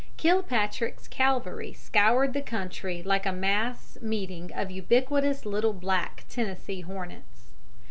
Kilpatrick's cavalry scoured the country like a mass meeting of ubiquitous little black Tennessee hornets.